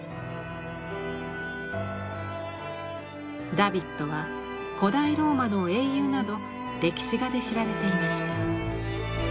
ダヴィッドは古代ローマの英雄など歴史画で知られていました。